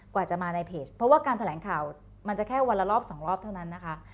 กว่าจะมาในเพจเพราะว่าการแถลงข่าวมันจะแค่วันละรอบสองรอบเท่านั้นนะคะ